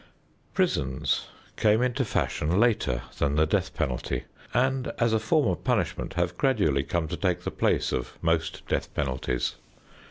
Prisons came into fashion later than the death penalty, and as a form of punishment have gradually come to take the place of most death penalties.